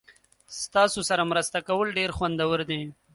ستاسو سره مرسته کول ډیر خوندور دي.